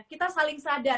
kita saling sadar